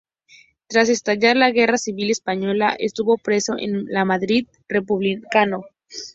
Tras estallar la Guerra Civil Española estuvo preso en el Madrid republicano.